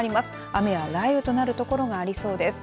雨や雷雨となる所がありそうです。